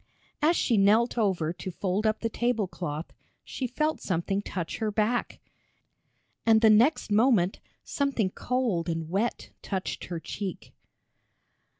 As she knelt over to fold up the table cloth, she felt something touch her back, and the next moment something cold and wet touched her cheek.